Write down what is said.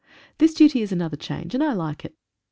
This duty is another change, and I like it.